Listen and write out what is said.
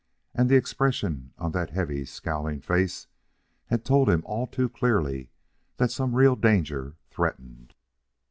And the expression on that heavy, scowling face had told him all too clearly that some real danger threatened.